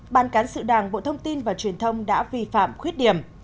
ban cán sự đảng bộ thông tin và truyền thông đã vi phạm khuyết điểm